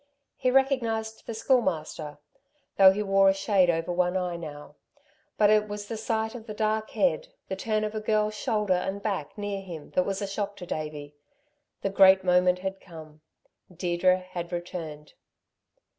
He recognised the Schoolmaster, though he wore a shade over one eye now, but it was the sight of the dark head, the turn of a girl's shoulder and back near him that was a shock to Davey. The great moment had come. Deirdre had returned.